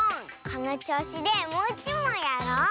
このちょうしでもういちもんやろう！